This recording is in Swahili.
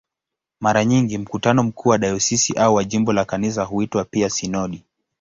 Mara nyingi mkutano mkuu wa dayosisi au wa jimbo la Kanisa huitwa pia "sinodi".